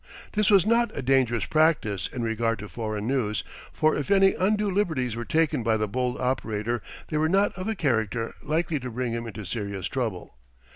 This was not a dangerous practice in regard to foreign news, for if any undue liberties were taken by the bold operator, they were not of a character likely to bring him into serious trouble.